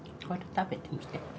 これ食べてみて。